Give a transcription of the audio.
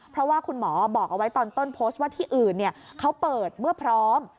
เพราะว่าคุณหมอบอกเอาไว้ตอนต้นโพสต์ว่าที่อื่นเขาเปิดเมื่อพร้อม